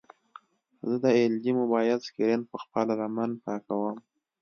زه د ایل جي موبایل سکرین په خپله لمن پاکوم.